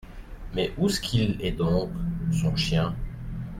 Mais ousqu’il est donc, son chien ?